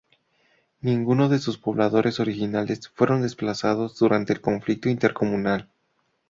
Ninguno de sus pobladores originales fueron desplazados durante el conflicto intercomunal.